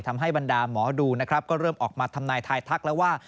ทำให้บรรดาหมอดูนะครับก็เริ่มออกมาทำนายทายทักแล้วว่า